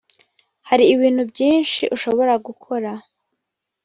hari ibintu byinshi ushobora gukora